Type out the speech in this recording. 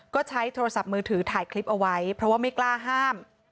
ก็ใช้โทรศัพท์มือถือถ่ายคลิปเอาไว้เพราะว่าไม่กล้าห้าม